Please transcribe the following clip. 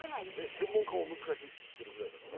専門家も難しいといってるくらいだからね。